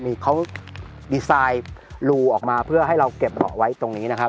มีเขาดีไซน์รูออกมาเพื่อให้เราเก็บเหล่าไว้ตรงนี้นะครับ